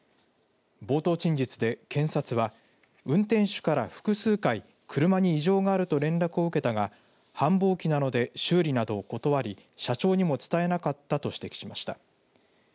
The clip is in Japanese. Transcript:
冒頭陳述で、検察は運転手から複数回車が異常があると連絡を受けたが繁忙期なので修理などをことわり社長にも伝えなかったと指摘しました。